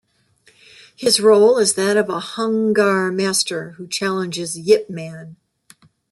His role is that of a Hung Gar master who challenges Yip Man.